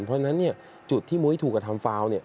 เพราะฉะนั้นจุดที่มุ้ยถูกกระทำฟาว